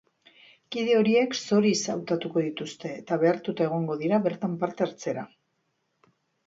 Kide horiek zoriz hautatuko dituzte, eta behartuta egongo dira bertan parte hartzera.